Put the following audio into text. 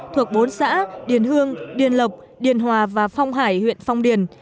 thuộc bốn xã điền hương điền lộc điền hòa và phong hải huyện phong điền